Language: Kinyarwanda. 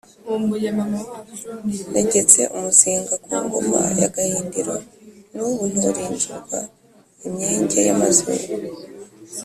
Negetse umuzinga ku ngoma ya Gahindiro n'ubu nturinjirwa.-Imyenge y'amazuru.